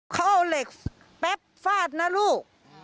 เขาเอาเหล็กแป๊บฟาดนะลูก